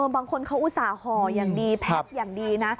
บางคนเขาอุตส่าห่ออย่างดีแพ็คอย่างดีนะ